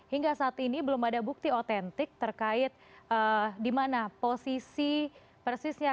hingga saat ini belum ada bukti otentik terkait di mana posisi persisnya